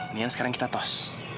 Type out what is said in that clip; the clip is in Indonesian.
ini yang sekarang kita tos